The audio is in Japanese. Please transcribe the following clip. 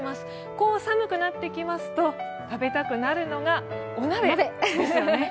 こう寒くなってきますと食べたくなるのがお鍋ですよね。